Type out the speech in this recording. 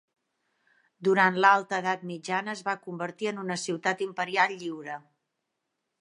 Durant l'Alta Edat Mitjana, es va convertir en una ciutat imperial lliure.